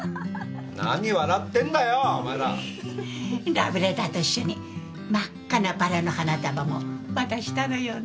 ラブレターと一緒に真っ赤なバラの花束も渡したのよね。